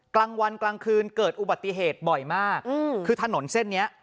กลางวันกลางคืนเกิดอุบัติเหตุบ่อยมากคือถนนเส้นนี้